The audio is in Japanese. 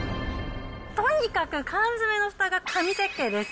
とにかく缶詰のふたが神設計です。